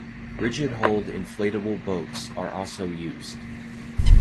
Rigid-hulled inflatable boats are also used.